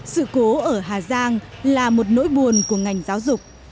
sự cố ở hà giang là một nỗi buồn của ngành giáo dục